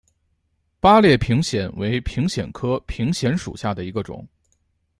八列平藓为平藓科平藓属下的一个种。